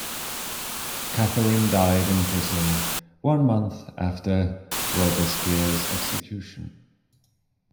Catherine died in prison one month after Robespierre's execution.